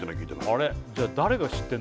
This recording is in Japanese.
あれ？